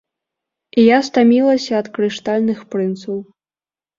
Я стамілася ад крыштальных прынцаў.